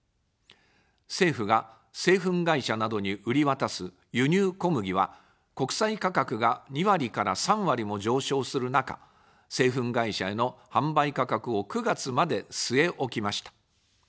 政府が製粉会社などに売り渡す輸入小麦は、国際価格が２割から３割も上昇する中、製粉会社への販売価格を９月まで据え置きました。